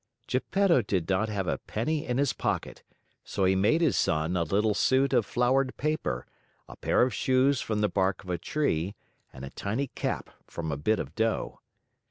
Geppetto did not have a penny in his pocket, so he made his son a little suit of flowered paper, a pair of shoes from the bark of a tree, and a tiny cap from a bit of dough.